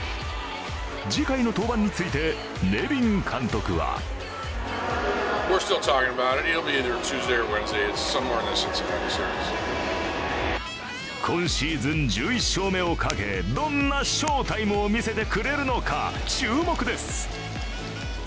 次回の登板についてネビン監督は今シーズン１１勝目をかけ、どんな翔タイムを見せてくれるのか注目です。